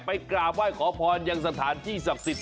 กราบไหว้ขอพรยังสถานที่ศักดิ์สิทธิ